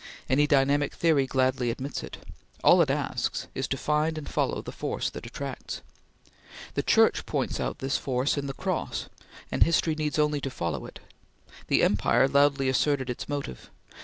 Any dynamic theory gladly admits it. All it asks is to find and follow the force that attracts. The Church points out this force in the Cross, and history needs only to follow it. The empire loudly asserted its motive.